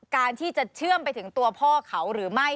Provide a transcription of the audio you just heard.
การที่จะเชื่อมไปถึงตัวพ่อเขาหรือไม่